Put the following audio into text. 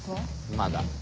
まだ。